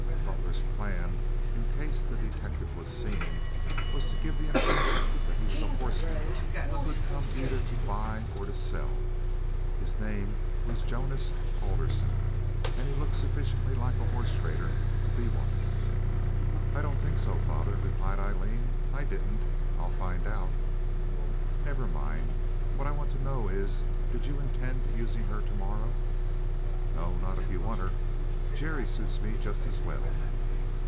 Butler's plan, in case the detective was seen, was to give the impression that he was a horseman who had come either to buy or to sell. His name was Jonas Alderson, and be looked sufficiently like a horsetrader to be one. "I don't think so, father," replied Aileen. "I didn't. I'll find out." "Never mind. What I want to know is did you intend using her to morrow?" "No, not if you want her. Jerry suits me just as well."